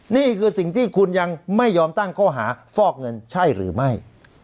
นี่คือสิ่งที่คุณยังไม่ยอมตั้งข้อหาฟอกเงินใช่หรือไม่